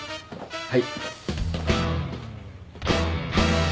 はい。